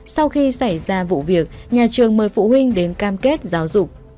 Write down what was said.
sau khi xảy ra vụ việc nhà trường mời phụ huynh đến cam kết giáo dục